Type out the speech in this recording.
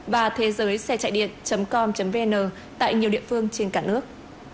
và thế giới xe chạy điện com vn tại nhiều địa phương trên cả nước